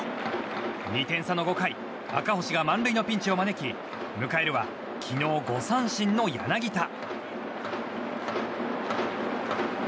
２点差の５回赤星が満塁のピンチを招き迎えるは昨日５三振の柳田。